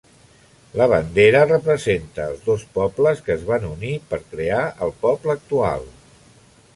La bandera representa els dos pobles que es van unir per crear el poble actual.